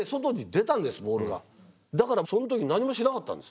だからその時何もしなかったんです。